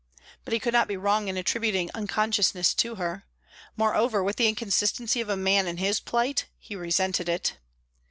But he could not be wrong in attributing unconsciousness to her. Moreover, with the inconsistency of a man in his plight, he resented it.